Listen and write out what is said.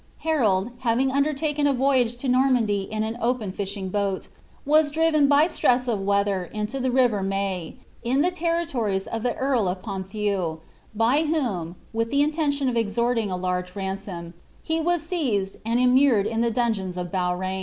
Harold, having undertaken lyage to Normandy in an open fishing boat, woe driven by stress of thor into the river 3Iaye, in the territories of the earl of Poulh' vhom, with the intention of extorting a large ransom, he « ioiiDured in the dungeons of Beaurain.